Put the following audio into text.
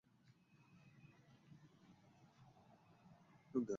Oluusi omuntu ng’oyo abeera n’ababe eka, ggwe ababo ne baba ng’abatali baana!